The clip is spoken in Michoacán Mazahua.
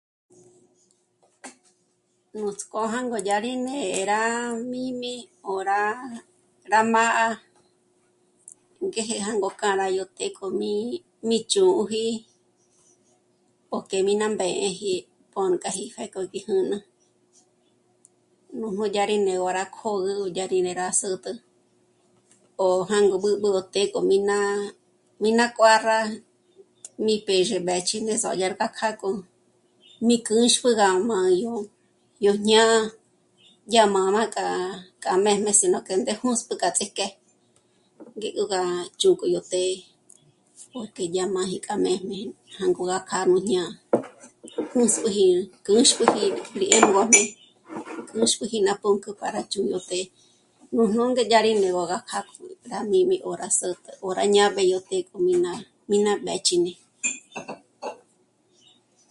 Nuts'k'ó jângo yá rí né'e rá mī́'m'ī́ 'òra rá mâ'a ngéje jângo k'a rá yó të́'ë k'o mǐ'i, mí chjū̌ji o k'e mí nà mběji po nú kâji pjék'o í 'ö́na, nú'go dyà rí né'e gó rá kö̌gügo dyà rí né'e rá sä̌t'ä, ó jângo b'ǚb'ü o ték'o mí ná, mí ná kuàrra, mí pèzhe mbéchin'e sö̀dyarga k'âko, mí kǔxp'ä̌gä má yó, yó jñá'a, dyà mā́mā k'a, k'a méjme sí nó k'e ndé mū́sp'e k'a ts'ík'e, ngé go gá chjū́k'u yó të́'ë porque yá máji k'a méjme, jângo gá kjâ'a nú jñá'a, nǘsp'üji kúxp'uji rí mójmé kúxp'uji ná pǔnk'ü para chū́'ū yó të́'ë nújnú ngé dyá rí né'egö gá kjâ'a rá mī́'m'ī 'ò rá sä̌t'ä po rá jñáb'e yó të́'ë k'o mi ná, mi ná mbéchine